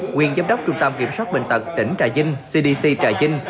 nguyễn giám đốc trung tâm kiểm soát bình tật tỉnh trà vinh cdc trà vinh